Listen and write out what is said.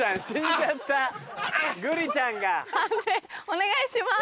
判定お願いします。